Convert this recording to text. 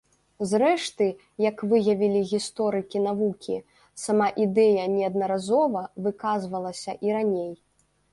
Зрэшты, як выявілі гісторыкі навукі, сама ідэя неаднаразова выказвалася і раней.